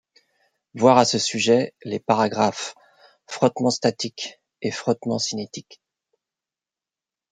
Voir à ce sujet les paragraphes Frottement statique et Frottement cinétique.